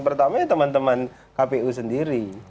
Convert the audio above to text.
pertamanya temen temen kpu sendiri